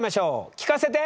聞かせて。